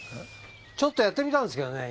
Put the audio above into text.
ちょっとやってみたんですけどね